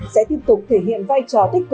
sẽ tiếp tục thể hiện vai trò đối với các nội dân